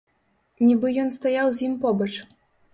Нібы ён стаяў з ім побач.